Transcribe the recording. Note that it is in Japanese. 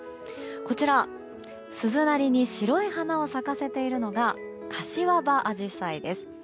こちら、鈴なりに白い花を咲かせているのが柏葉アジサイです。